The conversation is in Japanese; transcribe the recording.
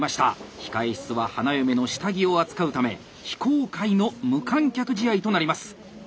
控え室は花嫁の下着を扱うため非公開の無観客試合となります。